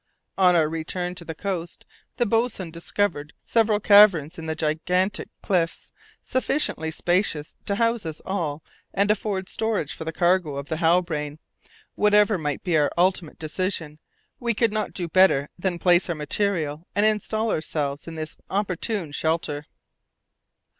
On our return to the coast the boatswain discovered several caverns in the granitic cliffs, sufficiently spacious to house us all and afford storage for the cargo of the Halbrane. Whatever might be our ultimate decision, we could not do better than place our material and instal ourselves in this opportune shelter.